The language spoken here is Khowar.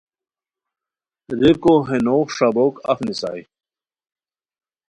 ریکو ہے نوغ ݰابوک اف نیسائے